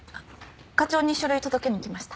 課長に書類を届けに来ました。